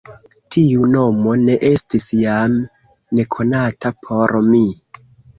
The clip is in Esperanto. Tiu nomo ne estis jam nekonata por mi.